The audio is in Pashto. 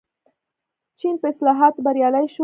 چین په اصلاحاتو بریالی شو.